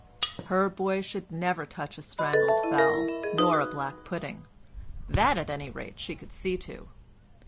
Her boy should never touch a strangled fowl nor a black pudding—that, at any rate, she could see to.